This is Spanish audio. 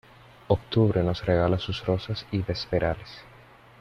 Octubre nos regala sus rosas y vesperales.